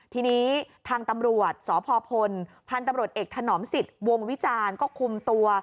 ทีนี้ทางตำรวจสพพลพันธุ์ตำรวจเอกถนอมสิทธิ์วงวิจารณ์ก็คุมตัว